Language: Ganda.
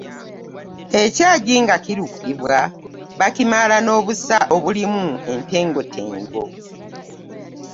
Ekyagi nga okulukibwa bakimaala nobusa obulimu entengotengo.